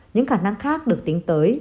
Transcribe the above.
những khả năng khác được tính tới